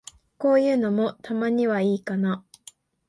こういうのも、たまにはいいかな。